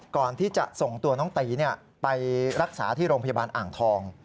ก่อนที่จะส่งตัวน้องตีไปรักษาที่โรงพยาบาลอ่างทอง